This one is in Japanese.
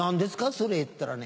それって言ったらね